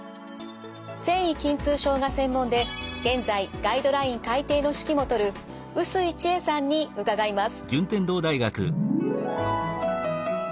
線維筋痛症が専門で現在ガイドライン改訂の指揮も執る臼井千恵さんに伺います。